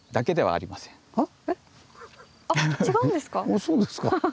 あそうですか。